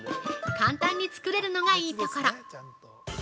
簡単に作れるのがいいところ。